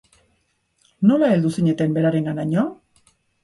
Nola heldu zineten berarenganaino?